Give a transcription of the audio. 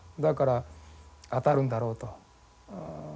だから当たるんだろうと。